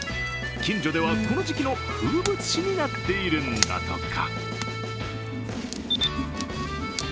近所ではこの時期の風物詩になっているんだとか。